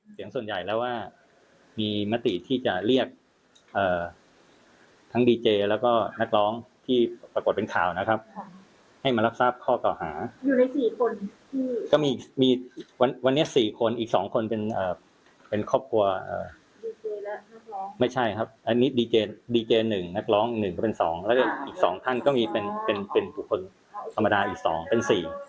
เป็น๔คนธรรมดาอีก๒เป็น๔